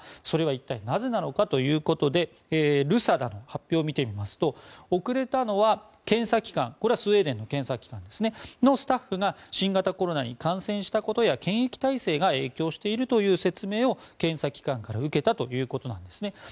それは一体なぜなのかＲＵＳＡＤＡの発表を見てみますと遅れたのは検査機関スウェーデンの検査機関のスタッフが新型コロナに感染したことや検疫体制が影響しているという説明を検査機関から受けたというわけなんです。